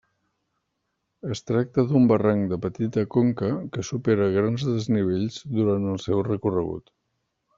Es tracta d'un barranc de petita conca que supera grans desnivells durant el seu recorregut.